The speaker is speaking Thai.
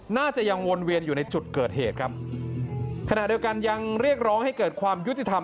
น่าจะยังวนเวียนอยู่ในจุดเกิดเหตุครับขณะเดียวกันยังเรียกร้องให้เกิดความยุติธรรม